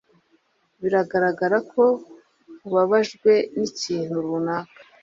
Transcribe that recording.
Biragaragara ko ubabajwe n'ikintu runaka.